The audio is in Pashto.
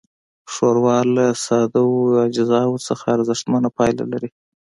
ښوروا له سادهو اجزاوو نه ارزښتمنه پايله لري.